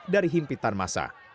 dari himpitan massa